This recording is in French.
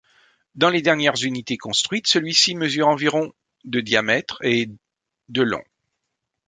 Dans les dernières unités construites, celui-ci mesure environ de diamètre et de long.